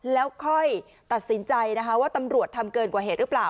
แล้วค่อยตัดสินใจนะคะว่าตำรวจทำเกินกว่าเหตุหรือเปล่า